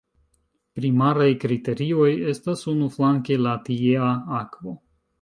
Primaraj kriterioj estas unuflanke la tiea akvo...